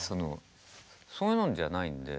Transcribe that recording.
そういうのじゃないんで。